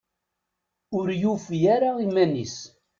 Ur yufi ara iman-is.